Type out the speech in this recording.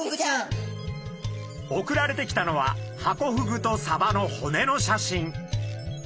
送られてきたのはハコフグとサバの骨の写真。